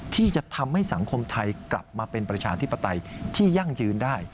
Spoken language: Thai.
ที่จะทำให้สังคมไทยกลับมาเป็นประชาธิปไตยที่ยั่งยืนได้